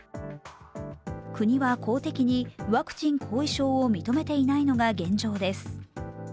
国は公的にワクチン後遺症を認めていないのが現状です。